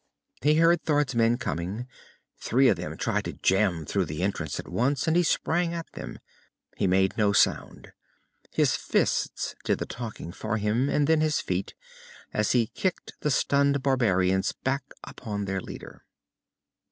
He heard Thord's men coming. Three of them tried to jam through the entrance at once, and he sprang at them. He made no sound. His fists did the talking for him, and then his feet, as he kicked the stunned barbarians back upon their leader.